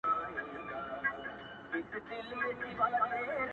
• كه به زما په دعا كيږي؛